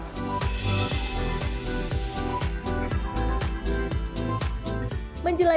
ketika ikan tidak dapat dilihat mereka bisa melihat ikan yang tidak dapat dilihat